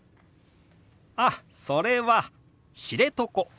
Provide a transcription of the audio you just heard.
あっそれは「知床」。